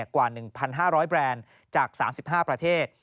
กว่า๑๕๐๐แบรนด์จาก๓๕ประเทศ